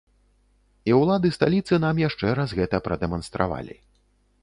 І ўлады сталіцы нам яшчэ раз гэта прадэманстравалі.